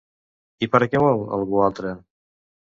I per a què el vol, algú altre?